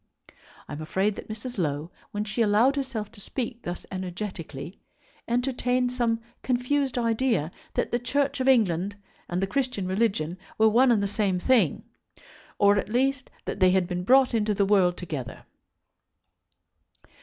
I am afraid that Mrs. Low, when she allowed herself to speak thus energetically, entertained some confused idea that the Church of England and the Christian religion were one and the same thing, or, at least, that they had been brought into the world together.